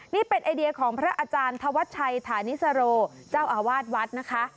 นี่เป็นไอเดียของพระอาจารย์ธวัชชัยฐานิสโรเจ้าอาวาสวัดนะคะ